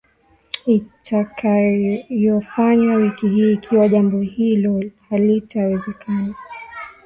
itakayofanywa wiki hii Ikiwa jambo hilo halitawezekana